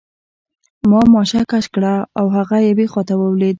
ما ماشه کش کړه او هغه یوې خواته ولوېد